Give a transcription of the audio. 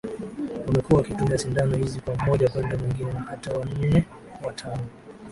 wamekuwa wakitumia sindano hizi kwa mmoja kwenda mwingine na hata wanne wa tano